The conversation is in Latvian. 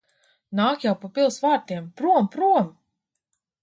Nāk jau pa pils vārtiem. Prom! Prom!